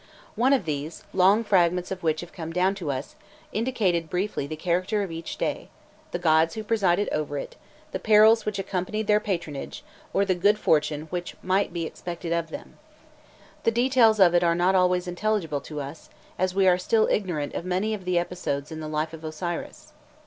One of these, long fragments of which have come down to us, indicated briefly the character of each day, the gods who presided over it, the perils which accompanied their patronage, or the good fortune which might be expected of them. The details of it are not always intelligible to us, as we are still ignorant of many of the episodes in the life of Osiris.